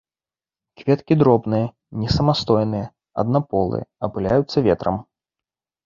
Кветкі дробныя, несамастойныя, аднаполыя, апыляюцца ветрам.